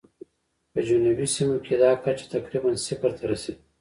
په جنوبي سیمو کې دا کچه تقریباً صفر ته رسېده.